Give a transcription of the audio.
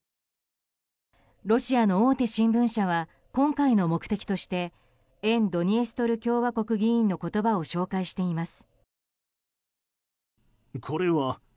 ロシアの大手新聞社は今回の目的として沿ドニエストル共和国議員の言葉を紹介しています。